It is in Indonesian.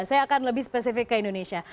saya akan lebih spesifik ke indonesia